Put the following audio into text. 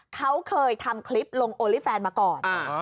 เขาเคยทำคลิปลงโอลี่แฟนมาก่อน